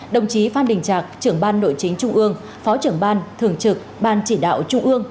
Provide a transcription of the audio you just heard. đồng chí phan đình trạc trưởng ban nội chính trung ương phó trưởng ban thường trực ban chỉ đạo trung ương